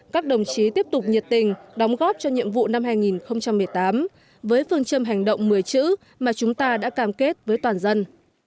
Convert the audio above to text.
các đồng chí tiếp tục nhiệt tình đóng góp cho nhiệm vụ năm hai nghìn một mươi tám với phương châm hành động một mươi chữ mà chúng ta đã cam kết với toàn dân